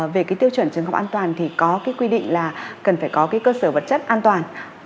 về cái tiêu chuẩn trường không an toàn thì có cái quy định là cần phải có cái cơ sở vật chất an toàn